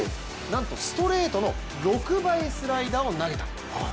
なんとストレートの６倍スライダーを投げた。